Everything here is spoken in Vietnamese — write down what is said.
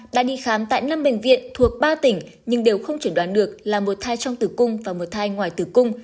đã đi khám tại năm bệnh viện thuộc ba tỉnh nhưng đều không chuẩn đoán được là một thai trong tử cung và một thai ngoài tử cung